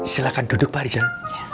silahkan duduk pak rijal